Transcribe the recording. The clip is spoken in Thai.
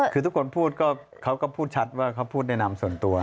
คือทุกคนพูดก็เขาก็พูดชัดว่าเขาพูดแนะนำส่วนตัว